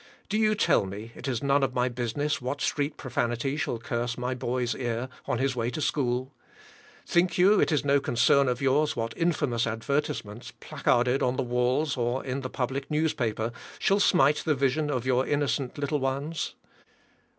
Do you tell me it is none of my business what street profanity shall curse my boy's ear, on his way to school? Think you it is no concern of yours what infamous advertisements, placarded on the walls, or in the public newspaper, shall smite the vision of your innocent little ones?